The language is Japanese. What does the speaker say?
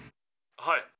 「はい。